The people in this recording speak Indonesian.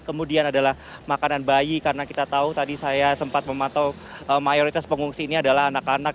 kemudian adalah makanan bayi karena kita tahu tadi saya sempat memantau mayoritas pengungsi ini adalah anak anak